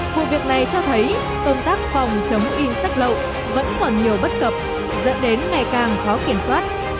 vụ việc này cho thấy công tác phòng chống in sách lậu vẫn còn nhiều bất cập dẫn đến ngày càng khó kiểm soát